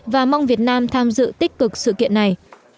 và mong việt nam tham dự tích cực sự kiện này